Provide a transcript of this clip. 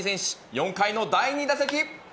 ４回の第２打席。